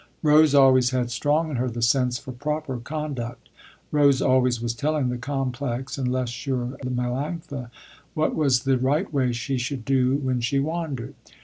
Rose always had strong in her the sense for proper conduct. Rose always was telling the complex and less sure Melanctha, what was the right way she should do when she wandered.